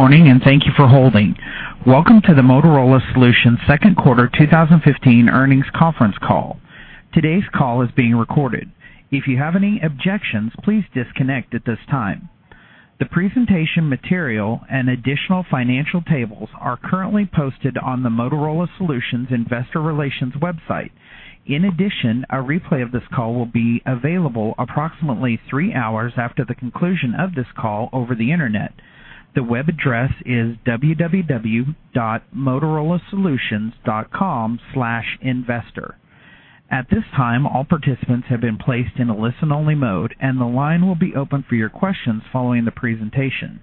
Good morning, and thank you for holding. Welcome to the Motorola Solutions second quarter 2015 earnings conference call. Today's call is being recorded. If you have any objections, please disconnect at this time. The presentation material and additional financial tables are currently posted on the Motorola Solutions investor relations website. In addition, a replay of this call will be available approximately 3 hours after the conclusion of this call over the internet. The web address is www.motorolasolutions.com/investor. At this time, all participants have been placed in a listen-only mode, and the line will be open for your questions following the presentation.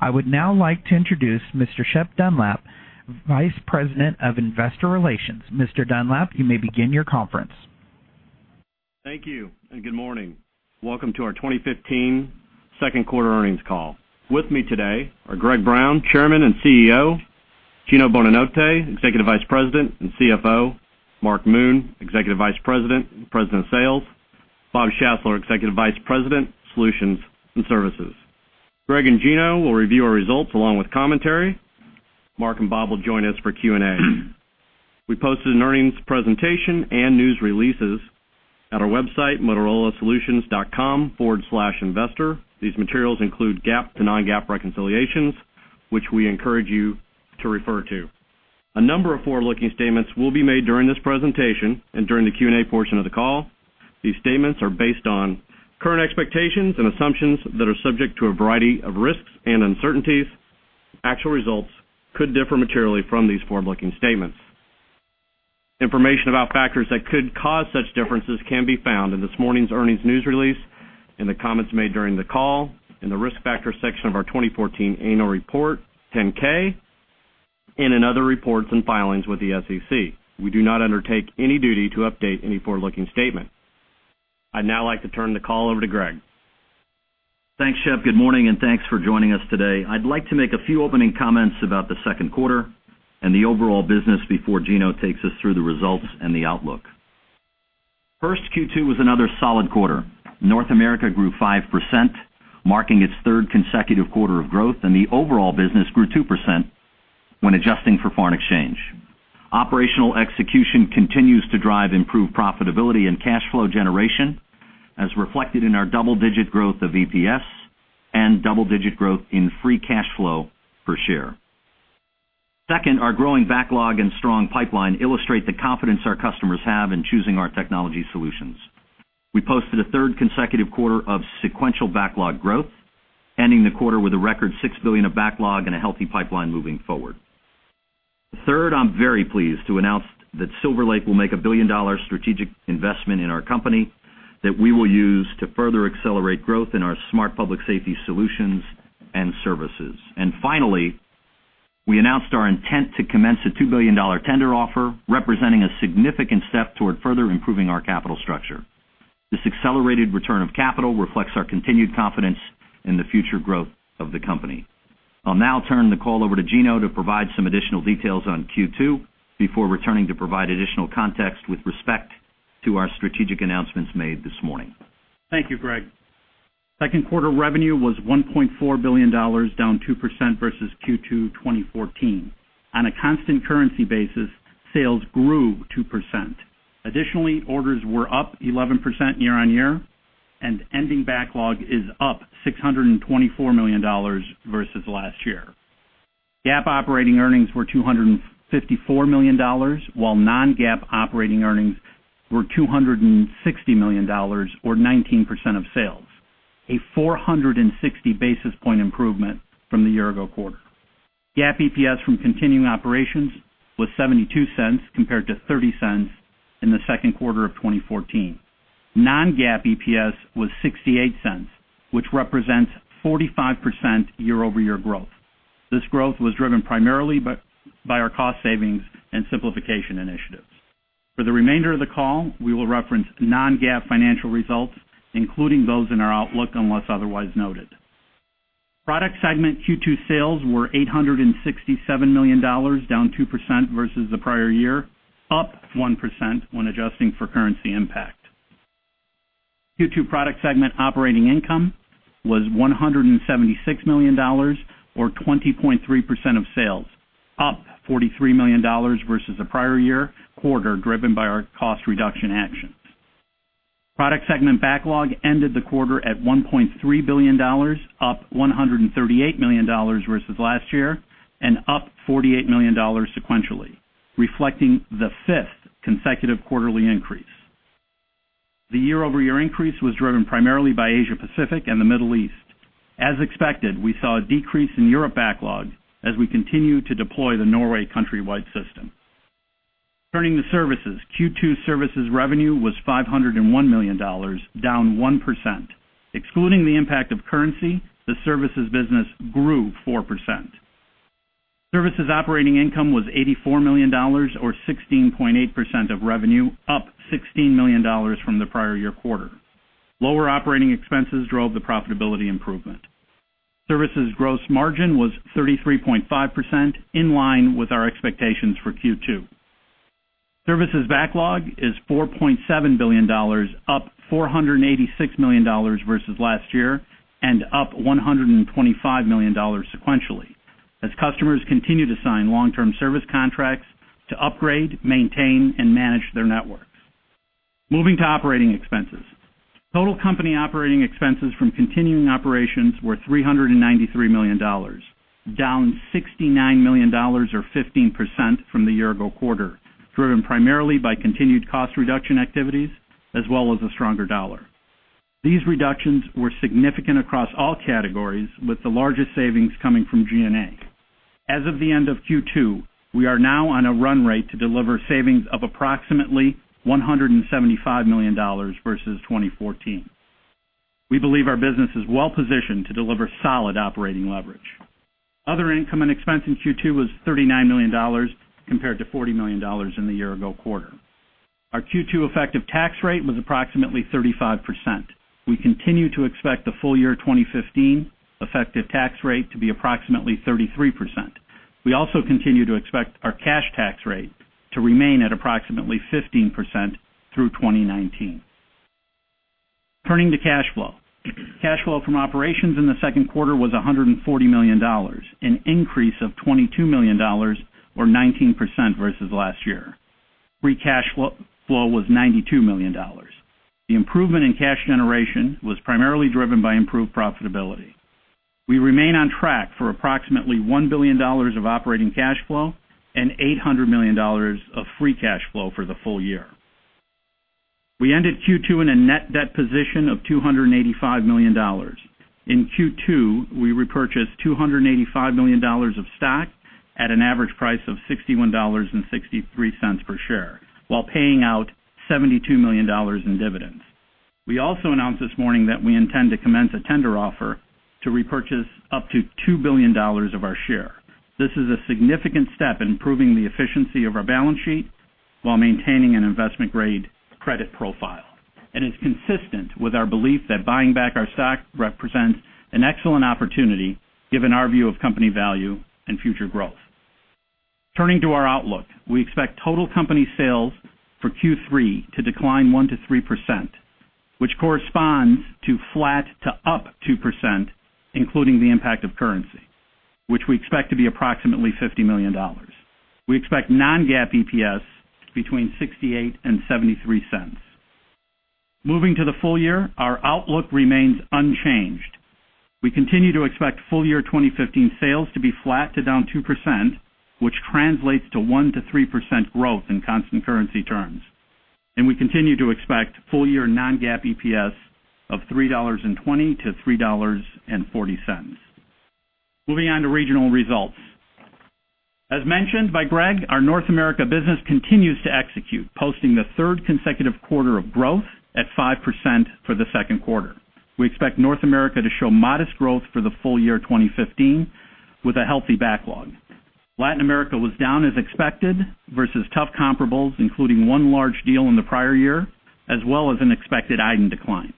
I would now like to introduce Mr. Shep Dunlap, Vice President of Investor Relations. Mr. Dunlap, you may begin your conference. Thank you, and good morning. Welcome to our 2015 second quarter earnings call. With me today are Greg Brown, Chairman and CEO; Gino Bonanotte, Executive Vice President and CFO; Mark Moon, Executive Vice President and President of Sales; Bob Schassler, Executive Vice President, Solutions and Services. Greg and Gino will review our results along with commentary. Mark and Bob will join us for Q&A. We posted an earnings presentation and news releases at our website, motorolasolutions.com/investor. These materials include GAAP to non-GAAP reconciliations, which we encourage you to refer to. A number of forward-looking statements will be made during this presentation and during the Q&A portion of the call. These statements are based on current expectations and assumptions that are subject to a variety of risks and uncertainties. Actual results could differ materially from these forward-looking statements. Information about factors that could cause such differences can be found in this morning's earnings news release, in the comments made during the call, in the Risk Factors section of our 2014 annual report, 10-K, and in other reports and filings with the SEC. We do not undertake any duty to update any forward-looking statement. I'd now like to turn the call over to Greg. Thanks, Shep. Good morning, and thanks for joining us today. I'd like to make a few opening comments about the second quarter and the overall business before Gino takes us through the results and the outlook. First, Q2 was another solid quarter. North America grew 5%, marking its third consecutive quarter of growth, and the overall business grew 2% when adjusting for foreign exchange. Operational execution continues to drive improved profitability and cash flow generation, as reflected in our double-digit growth of EPS and double-digit growth in free cash flow per share. Second, our growing backlog and strong pipeline illustrate the confidence our customers have in choosing our technology solutions. We posted a third consecutive quarter of sequential backlog growth, ending the quarter with a record $6 billion of backlog and a healthy pipeline moving forward. Third, I'm very pleased to announce that Silver Lake will make a billion-dollar strategic investment in our company that we will use to further accelerate growth in our Smart Public Safety Solutions and services. And finally, we announced our intent to commence a $2 billion tender offer, representing a significant step toward further improving our capital structure. This accelerated return of capital reflects our continued confidence in the future growth of the company. I'll now turn the call over to Gino to provide some additional details on Q2 before returning to provide additional context with respect to our strategic announcements made this morning. Thank you, Greg. Second quarter revenue was $1.4 billion, down 2% versus Q2 2014. On a constant currency basis, sales grew 2%. Additionally, orders were up 11% year-on-year, and ending backlog is up $624 million versus last year. GAAP operating earnings were $254 million, while non-GAAP operating earnings were $260 million, or 19% of sales, a 460 basis point improvement from the year-ago quarter. GAAP EPS from continuing operations was $0.72, compared to $0.30 in the second quarter of 2014. Non-GAAP EPS was $0.68, which represents 45% year-over-year growth. This growth was driven primarily by our cost savings and simplification initiatives. For the remainder of the call, we will reference non-GAAP financial results, including those in our outlook, unless otherwise noted. Product segment Q2 sales were $867 million, down 2% versus the prior year, up 1% when adjusting for currency impact. Q2 product segment operating income was $176 million, or 20.3% of sales, up $43 million versus the prior year quarter, driven by our cost reduction actions. Product segment backlog ended the quarter at $1.3 billion, up $138 million versus last year and up $48 million sequentially, reflecting the fifth consecutive quarterly increase. The year-over-year increase was driven primarily by Asia Pacific and the Middle East. As expected, we saw a decrease in Europe backlog as we continue to deploy the Norway countrywide system. Turning to services. Q2 services revenue was $501 million, down 1%. Excluding the impact of currency, the services business grew 4%. Services operating income was $84 million, or 16.8% of revenue, up $16 million from the prior year quarter. Lower operating expenses drove the profitability improvement. Services gross margin was 33.5%, in line with our expectations for Q2. Services backlog is $4.7 billion, up $486 million versus last year, and up $125 million sequentially, as customers continue to sign long-term service contracts to upgrade, maintain, and manage their networks. Moving to operating expenses. Total company operating expenses from continuing operations were $393 million, down $69 million or 15% from the year ago quarter, driven primarily by continued cost reduction activities as well as a stronger dollar. These reductions were significant across all categories, with the largest savings coming from G&A. As of the end of Q2, we are now on a run rate to deliver savings of approximately $175 million versus 2014. We believe our business is well positioned to deliver solid operating leverage. Other income and expense in Q2 was $39 million compared to $40 million in the year ago quarter. Our Q2 effective tax rate was approximately 35%. We continue to expect the full year 2015 effective tax rate to be approximately 33%. We also continue to expect our cash tax rate to remain at approximately 15% through 2019. Turning to cash flow. Cash flow from operations in the second quarter was $140 million, an increase of $22 million or 19% versus last year. Free cash flow was $92 million. The improvement in cash generation was primarily driven by improved profitability. We remain on track for approximately $1 billion of operating cash flow and $800 million of free cash flow for the full year. We ended Q2 in a net debt position of $285 million. In Q2, we repurchased $285 million of stock at an average price of $61.63 per share, while paying out $72 million in dividends. We also announced this morning that we intend to commence a tender offer to repurchase up to $2 billion of our share. This is a significant step in improving the efficiency of our balance sheet while maintaining an investment-grade credit profile, and is consistent with our belief that buying back our stock represents an excellent opportunity, given our view of company value and future growth. Turning to our outlook, we expect total company sales for Q3 to decline 1%-3%, which corresponds to flat to +2%, including the impact of currency, which we expect to be approximately $50 million. We expect non-GAAP EPS between $0.68 and $0.73. Moving to the full year, our outlook remains unchanged. We continue to expect full year 2015 sales to be flat to -2%, which translates to 1%-3% growth in constant currency terms, and we continue to expect full year non-GAAP EPS of $3.20-$3.40. Moving on to regional results. As mentioned by Greg, our North America business continues to execute, posting the third consecutive quarter of growth at 5% for the second quarter. We expect North America to show modest growth for the full year 2015, with a healthy backlog. Latin America was down as expected versus tough comparables, including one large deal in the prior year, as well as an expected iDEN decline.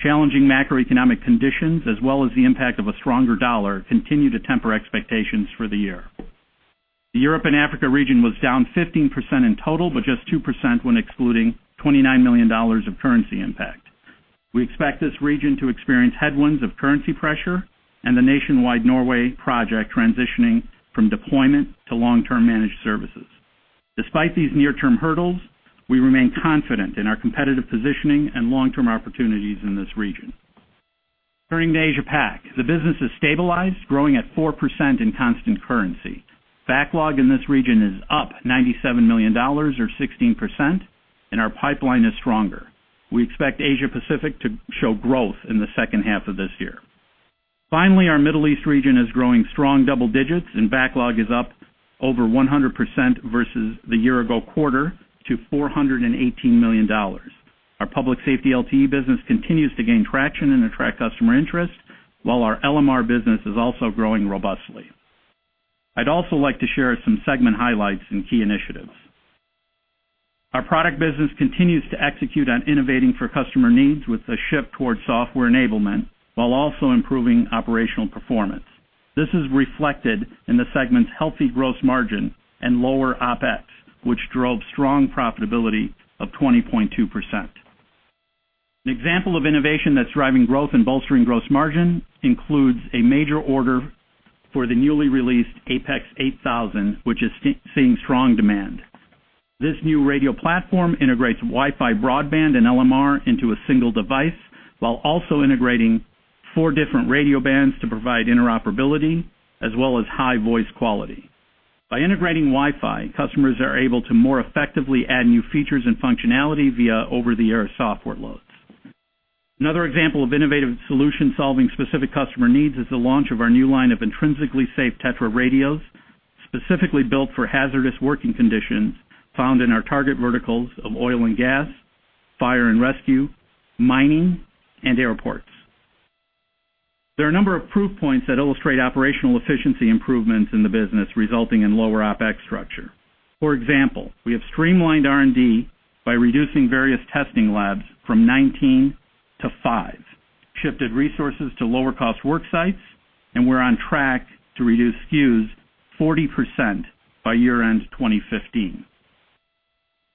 Challenging macroeconomic conditions, as well as the impact of a stronger US dollar, continue to temper expectations for the year. The Europe and Africa region was down 15% in total, but just 2% when excluding $29 million of currency impact. We expect this region to experience headwinds of currency pressure and the nationwide Norway project transitioning from deployment to long-term managed services. Despite these near-term hurdles, we remain confident in our competitive positioning and long-term opportunities in this region. Turning to Asia Pacific, the business has stabilized, growing at 4% in constant currency. Backlog in this region is up $97 million or 16%, and our pipeline is stronger. We expect Asia Pacific to show growth in the second half of this year. Finally, our Middle East region is growing strong double digits, and backlog is up over 100% versus the year ago quarter to $418 million. Our public safety LTE business continues to gain traction and attract customer interest, while our LMR business is also growing robustly. I'd also like to share some segment highlights and key initiatives. Our product business continues to execute on innovating for customer needs with a shift towards software enablement, while also improving operational performance. This is reflected in the segment's healthy gross margin and lower OpEx, which drove strong profitability of 20.2%. An example of innovation that's driving growth and bolstering gross margin includes a major order for the newly released APX 8000, which is seeing strong demand. This new radio platform integrates Wi-Fi, broadband and LMR into a single device, while also integrating four different radio bands to provide interoperability as well as high voice quality. By integrating Wi-Fi, customers are able to more effectively add new features and functionality via over-the-air software loads. Another example of innovative solution solving specific customer needs is the launch of our new line of intrinsically safe TETRA radios, specifically built for hazardous working conditions found in our target verticals of oil and gas, fire and rescue, mining, and airports. There are a number of proof points that illustrate operational efficiency improvements in the business, resulting in lower OpEx structure. For example, we have streamlined R&D by reducing various testing labs from 19 to five, shifted resources to lower-cost work sites, and we're on track to reduce SKUs 40% by year-end 2015.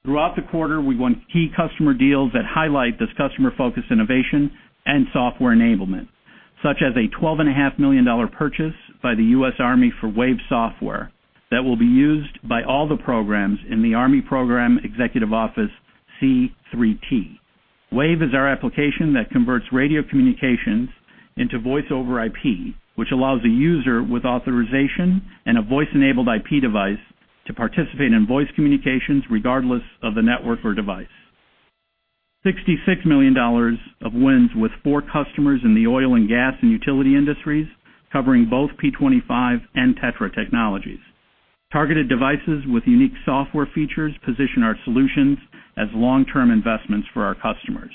Throughout the quarter, we've won key customer deals that highlight this customer-focused innovation and software enablement, such as a $12.5 million purchase by the U.S. Army for WAVE software that will be used by all the programs in the Army Program Executive Office C3T. WAVE is our application that converts radio communications into Voice over IP, which allows a user with authorization and a voice-enabled IP device to participate in voice communications regardless of the network or device. $66 million of wins with four customers in the oil and gas and utility industries, covering both P25 and TETRA technologies. Targeted devices with unique software features position our solutions as long-term investments for our customers.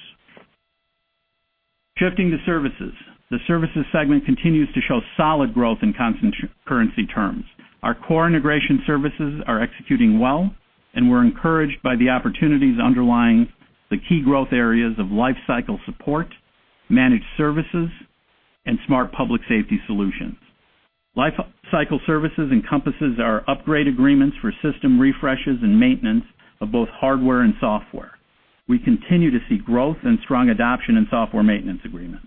Shifting to services. The services segment continues to show solid growth in constant currency terms. Our core integration services are executing well, and we're encouraged by the opportunities underlying the key growth areas of life cycle support, managed services, and Smart Public Safety Solutions. Lifecycle services encompasses our upgrade agreements for system refreshes and maintenance of both hardware and software. We continue to see growth and strong adoption in software maintenance agreements.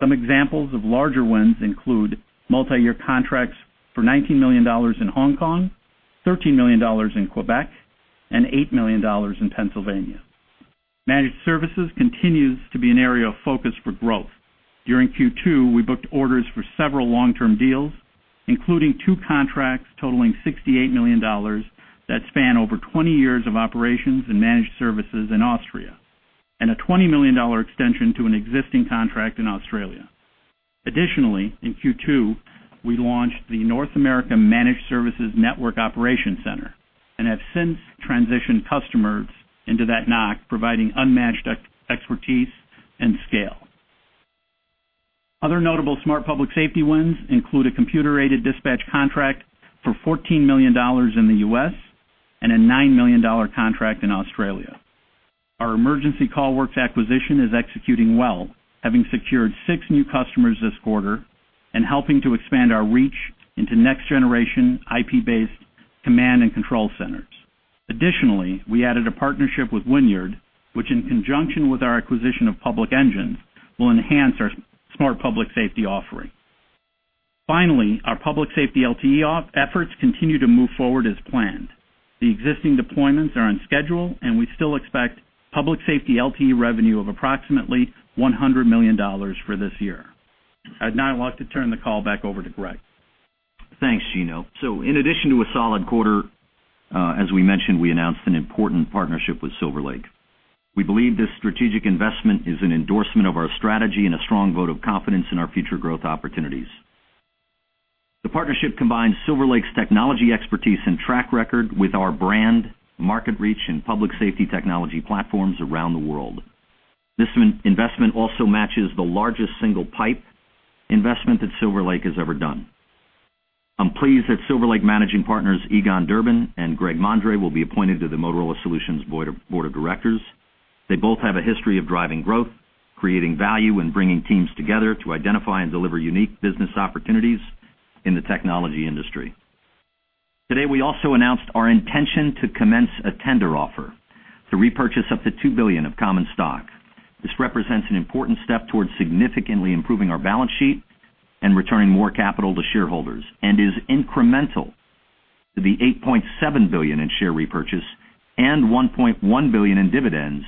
Some examples of larger wins include multiyear contracts for $19 million in Hong Kong, $13 million in Quebec, and $8 million in Pennsylvania. Managed services continues to be an area of focus for growth. During Q2, we booked orders for several long-term deals, including two contracts totaling $68 million that span over 20 years of operations and managed services in Austria, and a $20 million extension to an existing contract in Australia. Additionally, in Q2, we launched the North American Managed Services Network Operations Center and have since transitioned customers into that NOC, providing unmatched expertise and scale. Other notable Smart Public Safety wins include a computer-aided dispatch contract for $14 million in the U.S. and a $9 million dollar contract in Australia. Our Emergency CallWorks acquisition is executing well, having secured six new customers this quarter and helping to expand our reach into next-generation IP-based command and control centers. Additionally, we added a partnership with Wynyard, which, in conjunction with our acquisition of PublicEngines, will enhance our Smart Public Safety offering. Finally, our public safety LTE efforts continue to move forward as planned. The existing deployments are on schedule, and we still expect public safety LTE revenue of approximately $100 million for this year. I'd now like to turn the call back over to Greg. Thanks, Gino. So in addition to a solid quarter, as we mentioned, we announced an important partnership with Silver Lake. We believe this strategic investment is an endorsement of our strategy and a strong vote of confidence in our future growth opportunities. The partnership combines Silver Lake's technology expertise and track record with our brand, market reach, and public safety technology platforms around the world. This investment also matches the largest single PIPE investment that Silver Lake has ever done. I'm pleased that Silver Lake managing partners Egon Durban and Greg Mondre will be appointed to the Motorola Solutions Board of Directors. They both have a history of driving growth, creating value, and bringing teams together to identify and deliver unique business opportunities in the technology industry. Today, we also announced our intention to commence a tender offer to repurchase up to $2 billion of common stock. This represents an important step towards significantly improving our balance sheet and returning more capital to shareholders, and is incremental to the $8.7 billion in share repurchase and $1.1 billion in dividends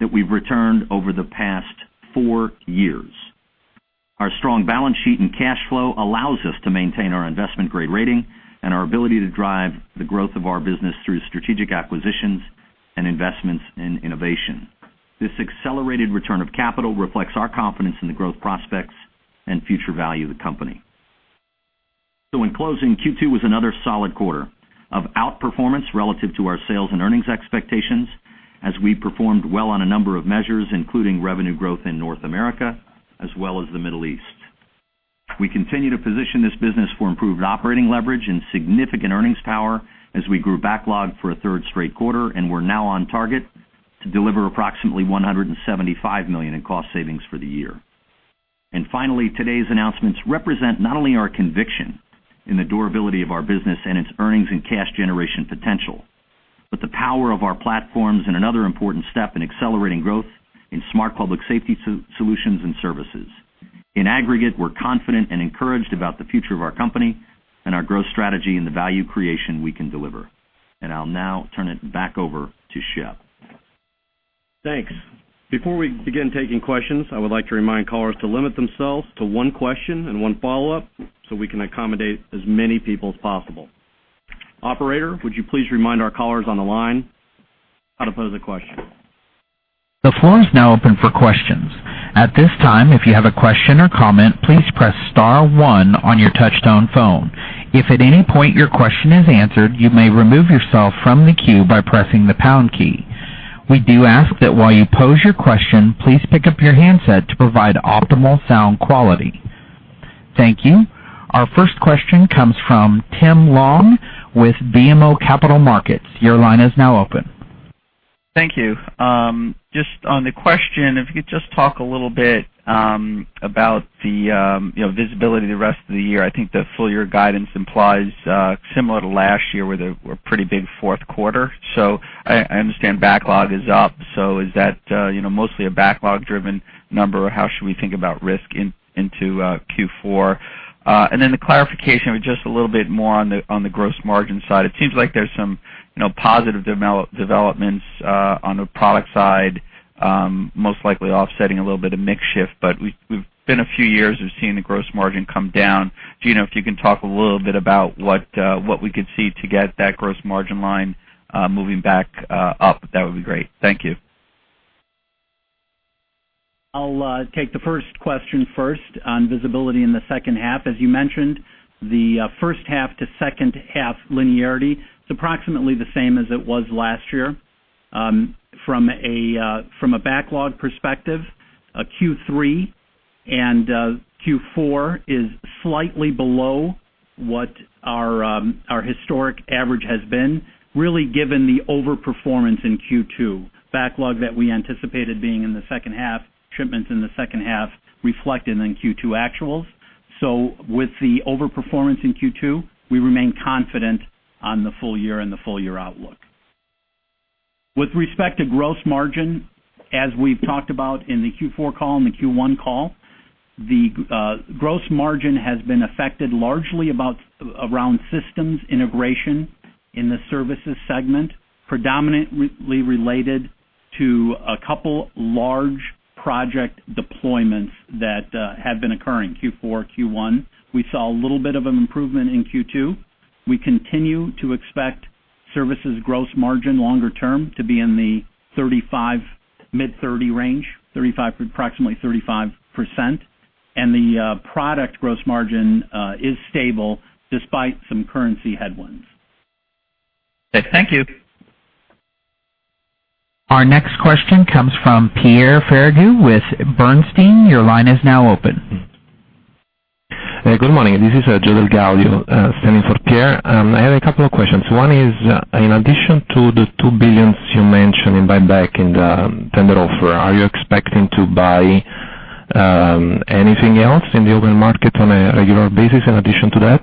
that we've returned over the past 4 years. Our strong balance sheet and cash flow allows us to maintain our investment-grade rating and our ability to drive the growth of our business through strategic acquisitions and investments in innovation. This accelerated return of capital reflects our confidence in the growth prospects and future value of the company. So in closing, Q2 was another solid quarter of outperformance relative to our sales and earnings expectations, as we performed well on a number of measures, including revenue growth in North America as well as the Middle East. We continue to position this business for improved operating leverage and significant earnings power as we grew backlog for a third straight quarter, and we're now on target to deliver approximately $175 million in cost savings for the year. Finally, today's announcements represent not only our conviction in the durability of our business and its earnings and cash generation potential, but the power of our platforms and another important step in accelerating growth in Smart Public Safety Solutions and services. In aggregate, we're confident and encouraged about the future of our company and our growth strategy and the value creation we can deliver. I'll now turn it back over to Shep. Thanks. Before we begin taking questions, I would like to remind callers to limit themselves to one question and one follow-up, so we can accommodate as many people as possible. Operator, would you please remind our callers on the line how to pose a question? The floor is now open for questions. At this time, if you have a question or comment, please press star one on your touchtone phone. If at any point your question is answered, you may remove yourself from the queue by pressing the pound key. We do ask that while you pose your question, please pick up your handset to provide optimal sound quality. Thank you. Our first question comes from Tim Long with BMO Capital Markets. Your line is now open. Thank you. Just on the question, if you could just talk a little bit about the, you know, visibility of the rest of the year. I think the full year guidance implies similar to last year, where there were pretty big fourth quarter. So I understand backlog is up, so is that, you know, mostly a backlog-driven number, or how should we think about risk in Q4? And then the clarification, just a little bit more on the gross margin side. It seems like there's some, you know, positive developments on the product side, most likely offsetting a little bit of mix shift. But we've been a few years of seeing the gross margin come down. Gino, if you can talk a little bit about what we could see to get that gross margin line moving back up, that would be great. Thank you. I'll take the first question first on visibility in the second half. As you mentioned, the first half to second half linearity is approximately the same as it was last year. From a backlog perspective, a Q3 and Q4 is slightly below what our historic average has been, really, given the overperformance in Q2. Backlog that we anticipated being in the second half, shipments in the second half reflected in Q2 actuals. So with the overperformance in Q2, we remain confident on the full year and the full year outlook. With respect to gross margin, as we've talked about in the Q4 call and the Q1 call, the gross margin has been affected largely about, around systems integration in the services segment, predominantly related to a couple large project deployments that have been occurring Q4, Q1. We saw a little bit of an improvement in Q2. We continue to expect services gross margin longer term to be in the 35, mid-thirty range, 35, approximately 35%, and the product gross margin is stable despite some currency headwinds. Thank you. Our next question comes from Pierre Ferragu with Bernstein. Your line is now open. Hey, good morning. This is Joel Gallo, standing for Pierre. I have a couple of questions. One is, in addition to the $2 billion you mentioned in buyback in the tender offer, are you expecting to buy anything else in the open market on a regular basis in addition to that?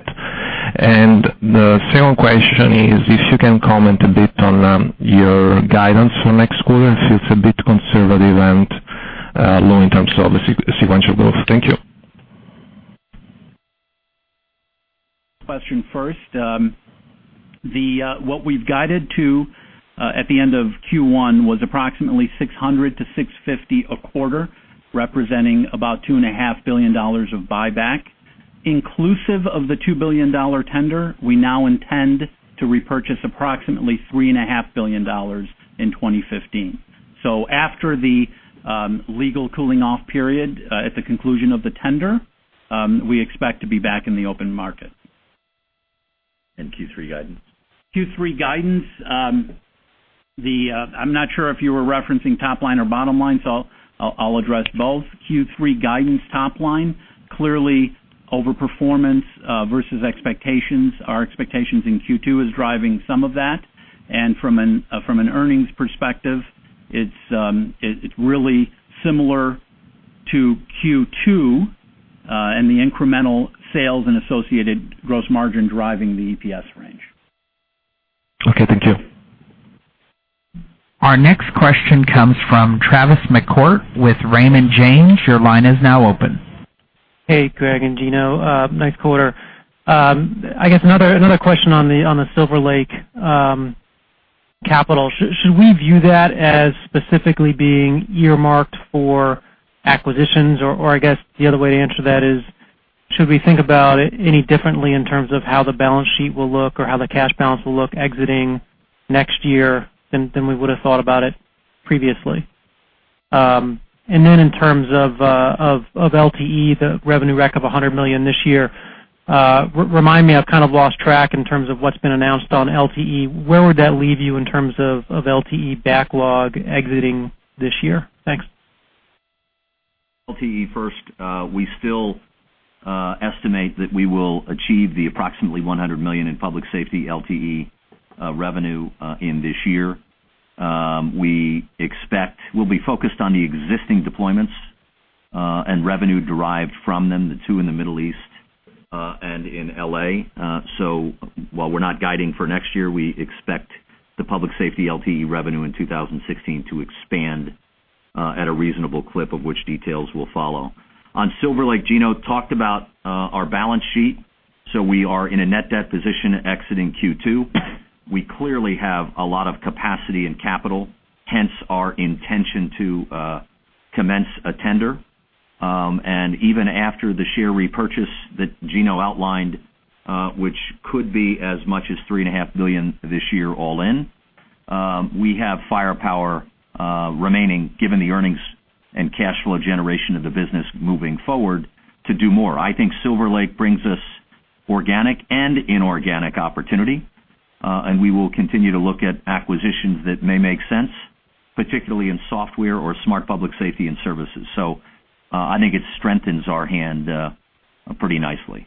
And the second question is if you can comment a bit on your guidance for next quarter, if it's a bit conservative and low in terms of the sequential growth. Thank you. Question first. What we've guided to at the end of Q1 was approximately 600-650 a quarter, representing about $2.5 billion of buyback. Inclusive of the $2 billion tender, we now intend to repurchase approximately $3.5 billion in 2015. So after the legal cooling off period, at the conclusion of the tender, we expect to be back in the open market. Q3 guidance. Q3 guidance, I'm not sure if you were referencing top line or bottom line, so I'll address both. Q3 guidance top line, clearly overperformance versus expectations. Our expectations in Q2 is driving some of that. And from an earnings perspective, it's really similar to Q2, and the incremental sales and associated gross margin driving the EPS range. Okay, thank you. Our next question comes from Travis McCourt with Raymond James. Your line is now open. Hey, Greg and Gino. Nice quarter. I guess another question on the Silver Lake capital. Should we view that as specifically being earmarked for acquisitions? Or I guess the other way to answer that is, should we think about it any differently in terms of how the balance sheet will look or how the cash balance will look exiting next year than we would have thought about it previously? And then in terms of LTE, the revenue rec of $100 million this year, remind me, I've kind of lost track in terms of what's been announced on LTE. Where would that leave you in terms of LTE backlog exiting this year? Thanks. LTE first, we still estimate that we will achieve approximately $100 million in public safety LTE revenue in this year. We expect we'll be focused on the existing deployments and revenue derived from them, the 2 in the Middle East and in LA. So while we're not guiding for next year, we expect the public safety LTE revenue in 2016 to expand at a reasonable clip, of which details will follow. On Silver Lake, Gino talked about our balance sheet, so we are in a net debt position exiting Q2. We clearly have a lot of capacity and capital, hence our intention to commence a tender. Even after the share repurchase that Gino outlined, which could be as much as $3.5 billion this year, all in, we have firepower remaining, given the earnings and cash flow generation of the business moving forward, to do more. I think Silver Lake brings us organic and inorganic opportunity, and we will continue to look at acquisitions that may make sense, particularly in software or Smart Public Safety and services. I think it strengthens our hand pretty nicely.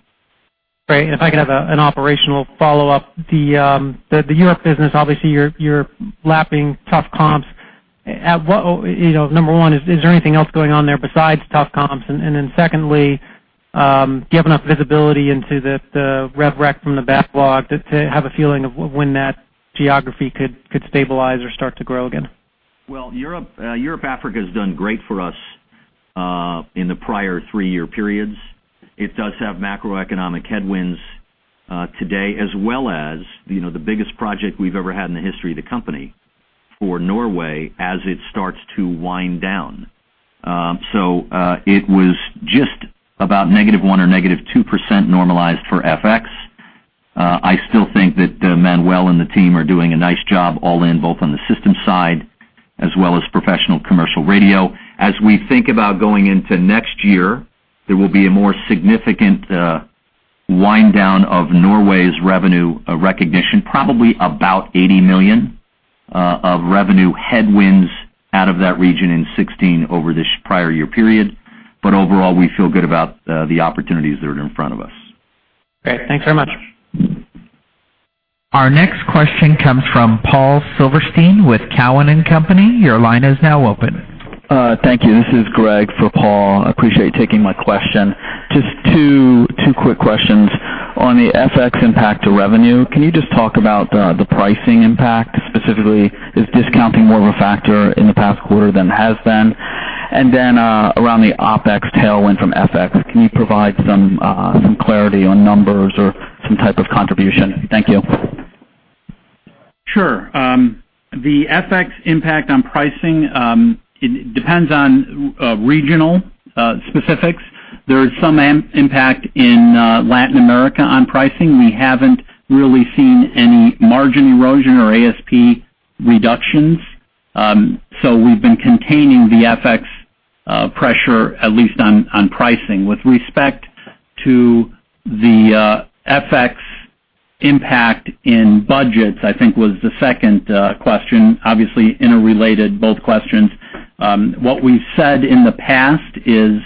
Great. If I could have an operational follow-up, the Europe business, obviously, you're lapping tough comps. At what, you know, number one, is there anything else going on there besides tough comps? And then secondly, do you have enough visibility into the rev rec from the backlog to have a feeling of when that geography could stabilize or start to grow again? Well, Europe, Africa has done great for us in the prior 3-year periods. It does have macroeconomic headwinds today, as well as, you know, the biggest project we've ever had in the history of the company for Norway, as it starts to wind down. So, it was just about negative 1 or negative 2% normalized for FX. I still think that Manuel and the team are doing a nice job all in, both on the systems side as well as professional commercial radio. As we think about going into next year, there will be a more significant wind down of Norway's revenue recognition, probably about $80 million of revenue headwinds out of that region in 2016 over this prior year period. But overall, we feel good about the opportunities that are in front of us. Great. Thanks very much. Our next question comes from Paul Silverstein with Cowen and Company. Your line is now open. Thank you. This is Greg for Paul. Appreciate you taking my question. Just two quick questions. On the FX impact to revenue, can you just talk about the pricing impact? Specifically, is discounting more of a factor in the past quarter than it has been? And then, around the OpEx tailwind from FX, can you provide some clarity on numbers or some type of contribution? Thank you. Sure. The FX impact on pricing, it depends on regional specifics. There is some impact in Latin America on pricing. We haven't really seen any margin erosion or ASP reductions, so we've been containing the FX pressure, at least on pricing. With respect to the FX impact in budgets, I think was the second question, obviously interrelated, both questions. What we've said in the past is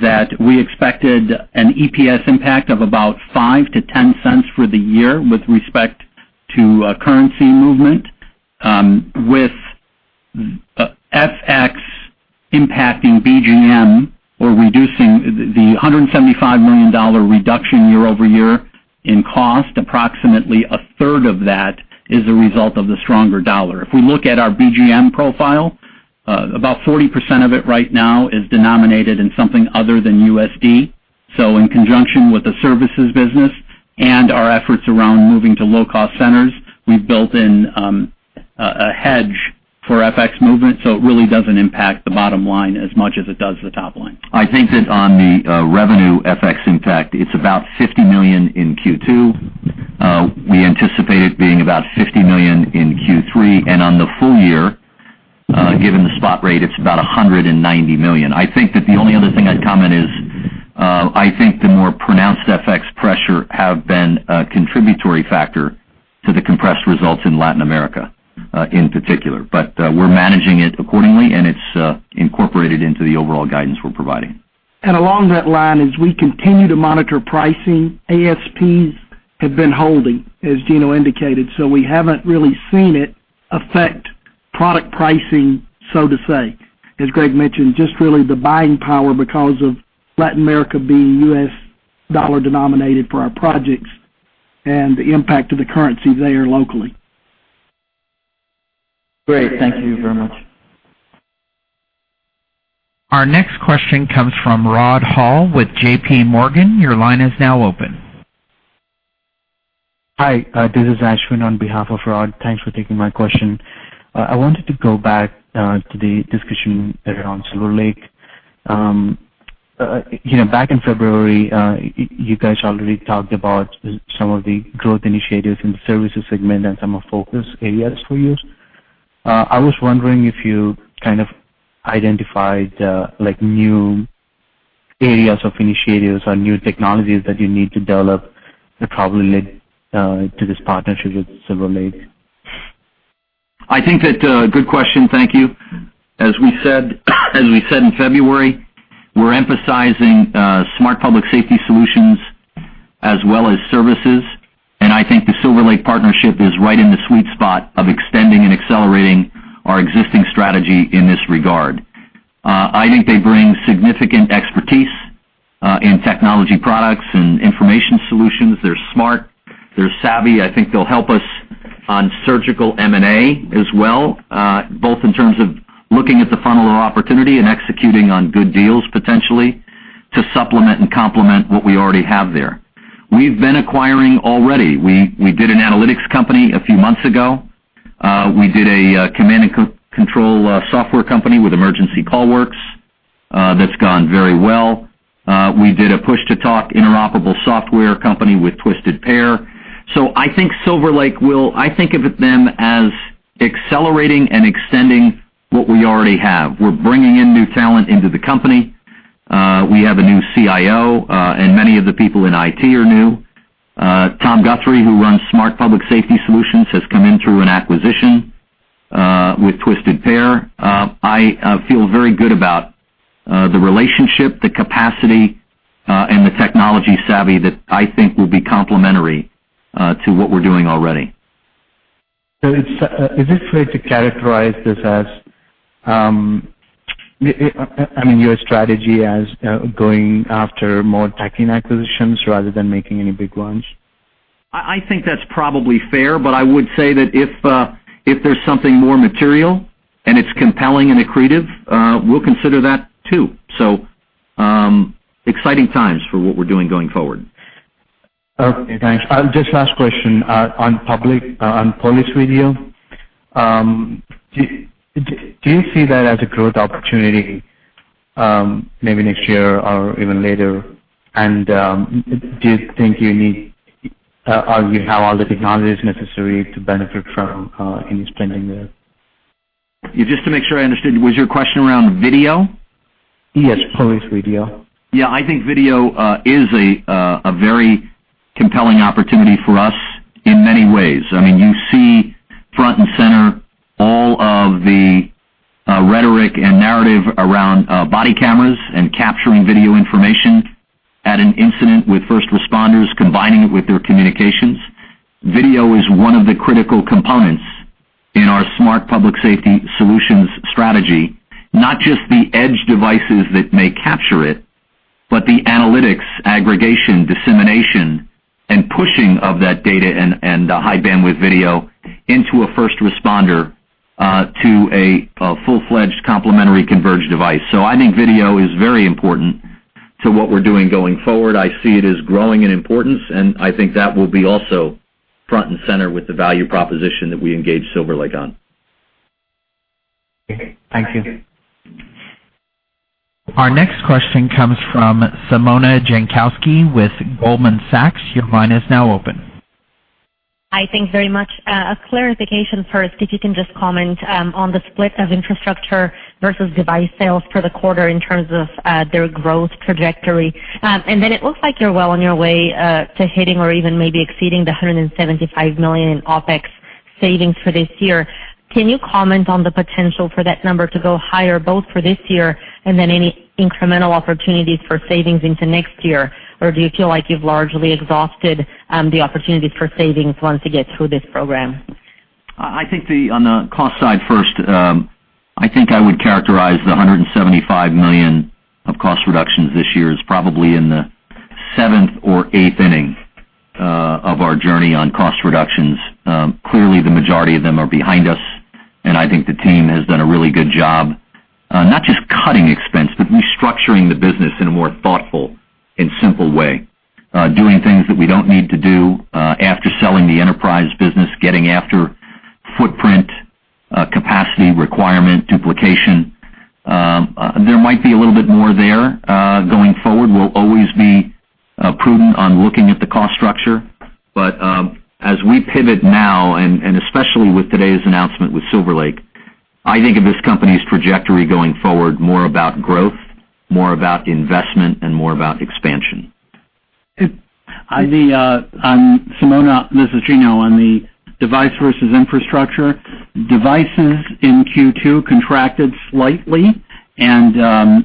that we expected an EPS impact of about $0.05-$0.10 for the year with respect to currency movement. With FX impacting OpEx or reducing the $175 million reduction year-over-year in cost, approximately a third of that is a result of the stronger dollar. If we look at our OpEx profile, about 40% of it right now is denominated in something other than USD. So in conjunction with the services business and our efforts around moving to low-cost centers, we've built in a hedge for FX movement, so it really doesn't impact the bottom line as much as it does the top line. I think that on the, revenue FX impact, it's about $50 million in Q2. We anticipate it being about $50 million in Q3, and on the full year, given the spot rate, it's about $190 million. I think that the only other thing I'd comment is, I think the more pronounced FX pressure have been a contributory factor to the compressed results in Latin America, in particular. But, we're managing it accordingly, and it's, incorporated into the overall guidance we're providing. Along that line, as we continue to monitor pricing, ASPs have been holding, as Gino indicated, so we haven't really seen it affect product pricing, so to say. As Greg mentioned, just really the buying power because of Latin America being U.S. dollar-denominated for our projects and the impact of the currency there locally. Great. Thank you very much. Our next question comes from Rod Hall with JP Morgan. Your line is now open. Hi, this is Ashwin on behalf of Rod. Thanks for taking my question. I wanted to go back to the discussion around Silver Lake. You know, back in February, you guys already talked about some of the growth initiatives in the services segment and some of focus areas for you. I was wondering if you kind of identified, like, new areas of initiatives or new technologies that you need to develop that probably led to this partnership with Silver Lake? I think that, good question. Thank you. As we said, as we said in February, we're emphasizing, Smart Public Safety Solutions as well as services, and I think the Silver Lake partnership is right in the sweet spot of extending and accelerating our existing strategy in this regard. I think they bring significant expertise, in technology products and information solutions. They're smart, they're savvy. I think they'll help us on surgical M&A as well, both in terms of looking at the funnel of opportunity and executing on good deals, potentially, to supplement and complement what we already have there. We've been acquiring already. We, we did an analytics company a few months ago. We did a, command and control, software company with Emergency CallWorks. That's gone very well. We did a push-to-talk interoperable software company with Twisted Pair. So I think Silver Lake will. I think of it them as accelerating and extending what we already have. We're bringing in new talent into the company. We have a new CIO, and many of the people in IT are new. Tom Guthrie, who runs Smart Public Safety Solutions, has come in through an acquisition with Twisted Pair. I feel very good about the relationship, the capacity, and the technology savvy that I think will be complementary to what we're doing already. Is it fair to characterize this as, I mean, your strategy as going after more techie acquisitions rather than making any big ones? I think that's probably fair, but I would say that if there's something more material and it's compelling and accretive, we'll consider that, too. So, exciting times for what we're doing going forward. Okay, thanks. Just last question on public, on police video. Do you see that as a growth opportunity, maybe next year or even later? And, do you think you need, or you have all the technologies necessary to benefit from any spending there? Just to make sure I understood, was your question around video? Yes, police video. Yeah, I think video is a very compelling opportunity for us in many ways. I mean, you see front and center all of the rhetoric and narrative around body cameras and capturing video information at an incident with first responders, combining it with their communications. Video is one of the critical components in our Smart Public Safety Solutions strategy, not just the edge devices that may capture it, but the analytics, aggregation, dissemination, and pushing of that data and the high bandwidth video into a first responder to a full-fledged complementary converged device. So I think video is very important to what we're doing going forward. I see it as growing in importance, and I think that will be also front and center with the value proposition that we engage Silver Lake on. Okay. Thank you. Our next question comes from Simona Jankowski with Goldman Sachs. Your line is now open. Hi, thanks very much. A clarification first, if you can just comment on the split of infrastructure versus device sales for the quarter in terms of their growth trajectory. Then it looks like you're well on your way to hitting or even maybe exceeding $175 million OpEx savings for this year. Can you comment on the potential for that number to go higher, both for this year and then any incremental opportunities for savings into next year? Or do you feel like you've largely exhausted the opportunities for savings once you get through this program? I think... On the cost side first, I think I would characterize the $175 million of cost reductions this year as probably in the seventh or eighth inning of our journey on cost reductions. Clearly, the majority of them are behind us, and I think the team has done a really good job, not just cutting expense, but restructuring the business in a more thoughtful and simple way. Doing things that we don't need to do, after selling the enterprise business, getting after footprint, capacity, requirement, duplication. There might be a little bit more there, going forward. We'll always be prudent on looking at the cost structure. As we pivot now, and, and especially with today's announcement with Silver Lake, I think of this company's trajectory going forward, more about growth, more about investment, and more about expansion. Simona, this is Gino. On the device versus infrastructure, devices in Q2 contracted slightly, and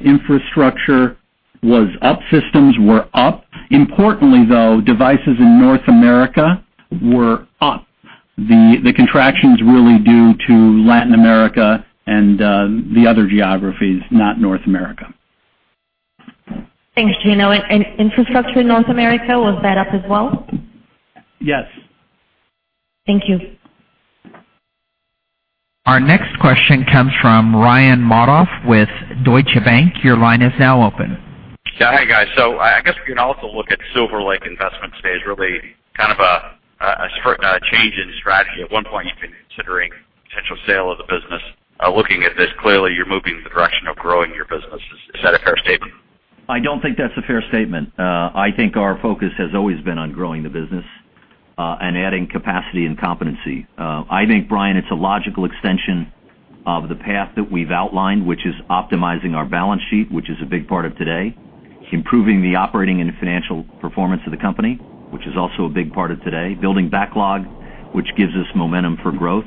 infrastructure was up, systems were up. Importantly, though, devices in North America were up. The contraction's really due to Latin America and the other geographies, not North America. Thanks, Gino. And infrastructure in North America, was that up as well? Yes. Thank you. Our next question comes from Brian Modoff with Deutsche Bank. Your line is now open. Yeah. Hi, guys. So I guess we can also look at Silver Lake investment today as really kind of a change in strategy. At one point, you were considering potential sale of the business. Looking at this, clearly, you're moving in the direction of growing your business. Is that a fair statement? I don't think that's a fair statement. I think our focus has always been on growing the business, and adding capacity and competency. I think, Brian, it's a logical extension of the path that we've outlined, which is optimizing our balance sheet, which is a big part of today. Improving the operating and financial performance of the company, which is also a big part of today. Building backlog, which gives us momentum for growth.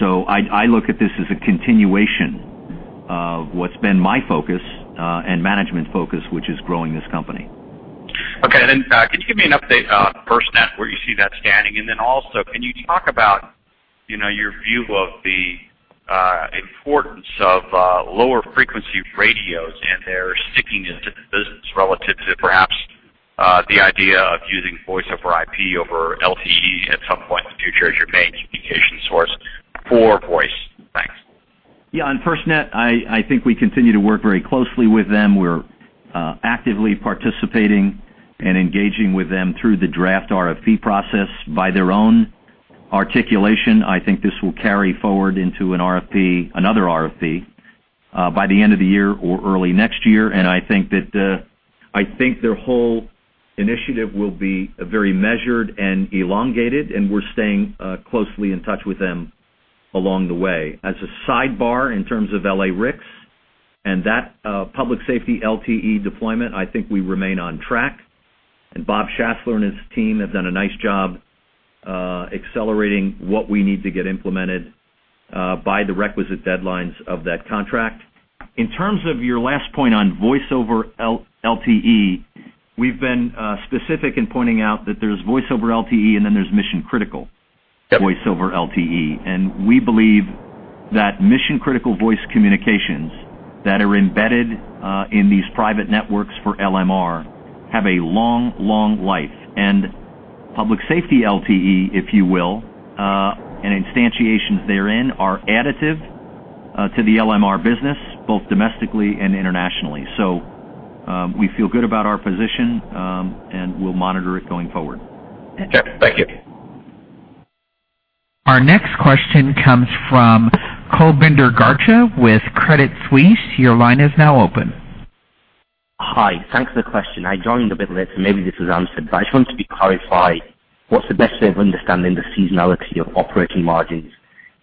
So I look at this as a continuation of what's been my focus, and management focus, which is growing this company. Okay. Then, can you give me an update on FirstNet, where you see that standing? And then also, can you talk about, you know, your view of the, importance of, lower frequency radios and their sticking into the business relative to perhaps, the idea of using Voice over IP over LTE at some point in the future as your main communication source for voice? Thanks. Yeah, on FirstNet, I think we continue to work very closely with them. We're actively participating and engaging with them through the draft RFP process. By their own articulation, I think this will carry forward into an RFP, another RFP, by the end of the year or early next year. And I think that, I think their whole initiative will be a very measured and elongated, and we're staying closely in touch with them along the way. As a sidebar, in terms of LA-RICS and that public safety LTE deployment, I think we remain on track, and Bob Schassler and his team have done a nice job accelerating what we need to get implemented by the requisite deadlines of that contract. In terms of your last point on Voice over LTE, we've been specific in pointing out that there's Voice over LTE, and then there's mission-critical- Yep. Voice over LTE. We believe that mission-critical voice communications that are embedded in these private networks for LMR have a long, long life. Public safety LTE, if you will, and instantiations therein, are additive to the LMR business, both domestically and internationally. So, we feel good about our position, and we'll monitor it going forward. Okay, thank you. Our next question comes from Kulbinder Garcha with Credit Suisse. Your line is now open. Hi, thanks for the question. I joined a bit late, so maybe this was answered, but I just want to be clarified, what's the best way of understanding the seasonality of operating margins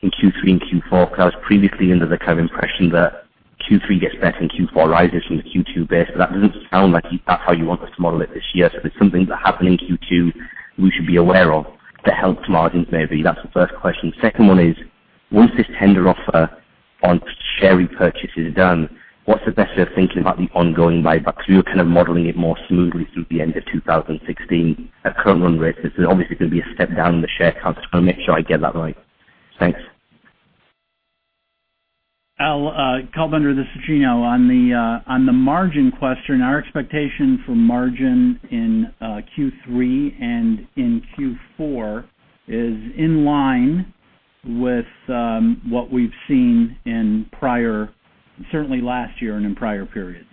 in Q3 and Q4? Because I was previously under the kind of impression that Q3 gets better and Q4 rises from the Q2 base, but that doesn't sound like that's how you want us to model it this year. So there's some things that happened in Q2 we should be aware of that helped margins maybe. That's the first question. Second one is: Once this tender offer on share repurchases is done, what's the best way of thinking about the ongoing buyback? Because we were kind of modeling it more smoothly through the end of 2016. At current run rates, there's obviously going to be a step down in the share count, just want to make sure I get that right. Thanks. I'll, Kulbinder, this is Gino. On the margin question, our expectation for margin in Q3 and in Q4 is in line with what we've seen in prior... Certainly last year and in prior periods.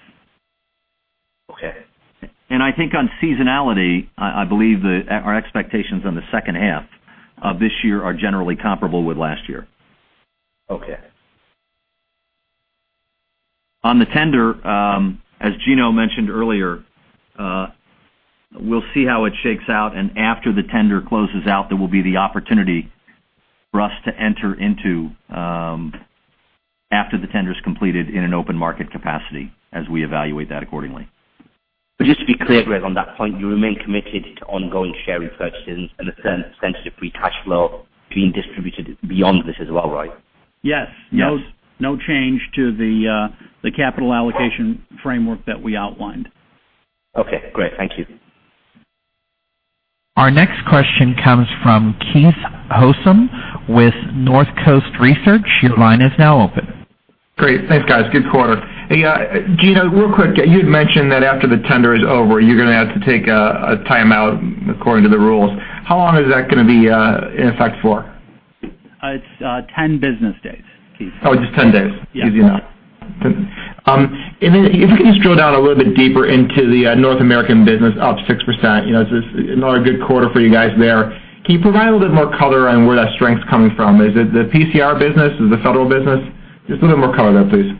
Okay. I think on seasonality, I believe our expectations on the second half of this year are generally comparable with last year. Okay. On the tender, as Gino mentioned earlier, we'll see how it shakes out, and after the tender closes out, there will be the opportunity for us to enter into, after the tender is completed in an open market capacity, as we evaluate that accordingly. But just to be clear, Greg, on that point, you remain committed to ongoing share repurchases and the substantial free cash flow being distributed beyond this as well, right? Yes. Yes. No, no change to the capital allocation framework that we outlined. Okay, great. Thank you. Our next question comes from Keith Housum with North Coast Research. Your line is now open. Great. Thanks, guys. Good quarter. Hey, Gino, real quick, you had mentioned that after the tender is over, you're going to have to take a timeout according to the rules. How long is that going to be, in effect for? It's 10 business days, Keith. Oh, just 10 days? Yeah. Easy enough. And then if you could just drill down a little bit deeper into the North American business, up 6%. You know, it's just another good quarter for you guys there. Can you provide a little more color on where that strength is coming from? Is it the PCR business? Is it the federal business? Just a little more color there, please.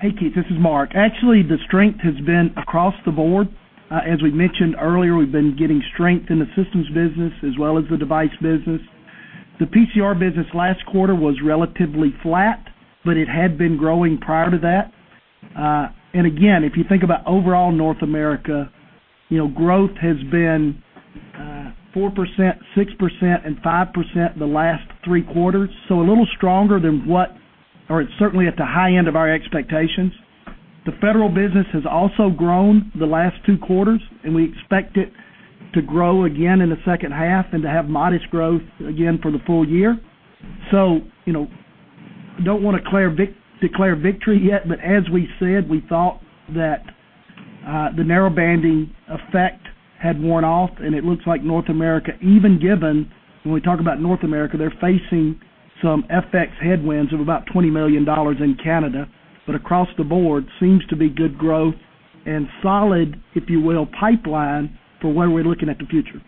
Hey, Keith, this is Mark. Actually, the strength has been across the board. As we mentioned earlier, we've been getting strength in the systems business as well as the device business. The PCR business last quarter was relatively flat, but it had been growing prior to that. And again, if you think about overall North America, you know, growth has been 4%, 6%, and 5% the last three quarters. So a little stronger than what... Or it's certainly at the high end of our expectations. The federal business has also grown the last two quarters, and we expect it to grow again in the second half and to have modest growth again for the full year. So, you know, don't want to declare victory yet, but as we said, we thought that the narrowbanding effect had worn off, and it looks like North America, even given, when we talk about North America, they're facing some FX headwinds of about $20 million in Canada. But across the board, seems to be good growth and solid, if you will, pipeline for when we're looking at the future.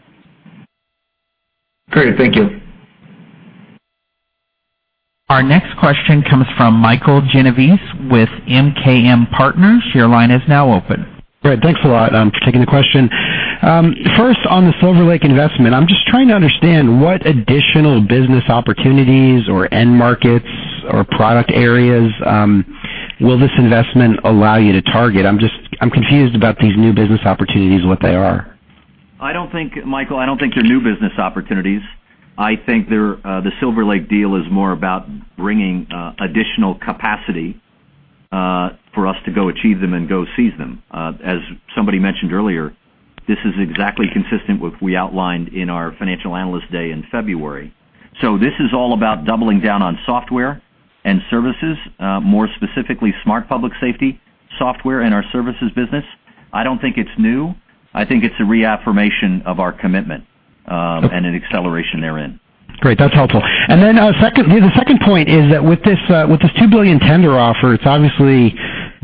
Great, thank you. Our next question comes from Michael Genovese with MKM Partners. Your line is now open. Great. Thanks a lot for taking the question. First, on the Silver Lake investment, I'm just trying to understand what additional business opportunities or end markets or product areas will this investment allow you to target? I'm just, I'm confused about these new business opportunities, what they are. I don't think, Michael, I don't think they're new business opportunities. I think they're the Silver Lake deal is more about bringing additional capacity for us to go achieve them and go seize them. As somebody mentioned earlier, this is exactly consistent with we outlined in our financial analyst day in February. So this is all about doubling down on software and services, more specifically, Smart Public Safety software and our services business. I don't think it's new. I think it's a reaffirmation of our commitment, and an acceleration therein. Great, that's helpful. And then, second, the second point is that with this, with this $2 billion tender offer, it's obviously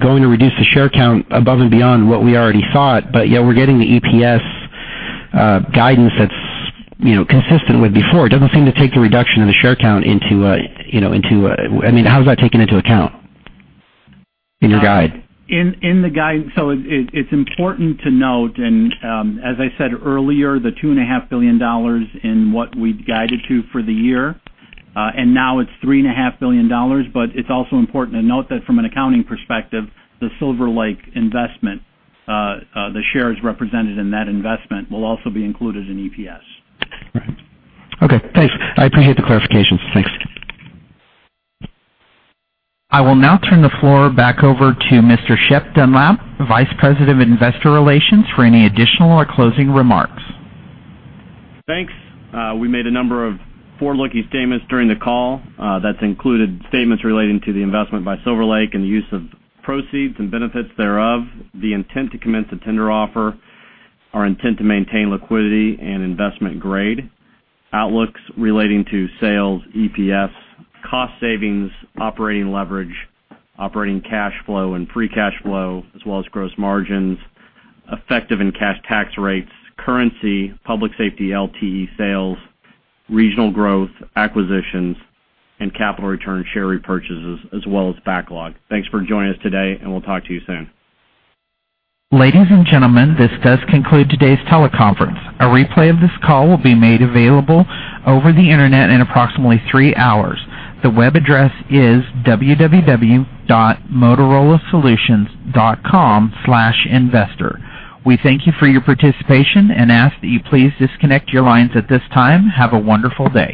going to reduce the share count above and beyond what we already thought, but yet we're getting the EPS, guidance that's, you know, consistent with before. It doesn't seem to take the reduction in the share count into, you know, into... I mean, how is that taken into account in your guide? In the guide. So it's important to note, and as I said earlier, the $2.5 billion in what we'd guided to for the year, and now it's $3.5 billion. But it's also important to note that from an accounting perspective, the Silver Lake investment, the shares represented in that investment will also be included in EPS. Right. Okay, thanks. I appreciate the clarifications. Thanks. I will now turn the floor back over to Mr. Shep Dunlap, Vice President of Investor Relations, for any additional or closing remarks. Thanks. We made a number of forward-looking statements during the call. That's included statements relating to the investment by Silver Lake and the use of proceeds and benefits thereof, the intent to commence the tender offer, our intent to maintain liquidity and investment grade, outlooks relating to sales, EPS, cost savings, operating leverage, operating cash flow, and free cash flow, as well as gross margins, effective and cash tax rates, currency, public safety, LTE sales, regional growth, acquisitions, and capital return, share repurchases, as well as backlog. Thanks for joining us today, and we'll talk to you soon. Ladies and gentlemen, this does conclude today's teleconference. A replay of this call will be made available over the Internet in approximately three hours. The web address is www.motorolasolutions.com/investor. We thank you for your participation and ask that you please disconnect your lines at this time. Have a wonderful day.